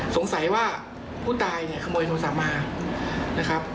สงสัยว่าผู้ตายเนี่ยขโมยโทรศัพท์มานะครับ